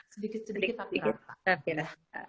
sedikit sedikit tapi rata